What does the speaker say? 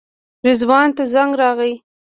رضوان ته زنګ راغی.